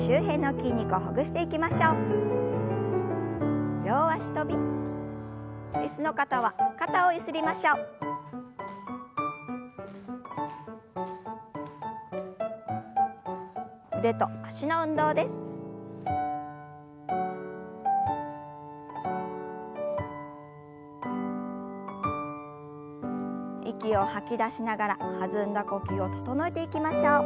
息を吐き出しながら弾んだ呼吸を整えていきましょう。